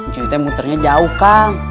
cuy tuh muternya jauh kang